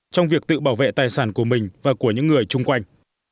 trong việc tự bảo vệ tài sản của mình và của những người chung quanh